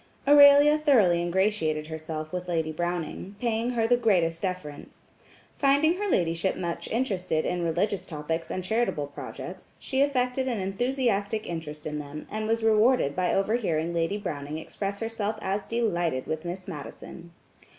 Aurelia thoroughly ingratiated herself with Lady Browning, paying her the greatest deference. Finding her ladyship much interested in religious topics and charitable projects, she affected an enthusiastic interest in them, and was rewarded by overhearing Lady Browning express herself as delighted with Miss Madison.